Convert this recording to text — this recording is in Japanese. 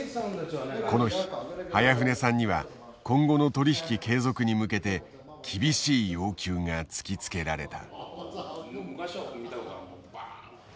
この日早舩さんには今後の取引継続に向けて厳しい要求が突きつけられた。